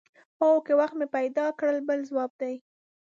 هو که وخت مې پیدا کړ بل ځواب دی.